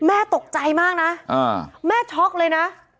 แม่ตกใจมากนะแม่ช็อกเลยนะ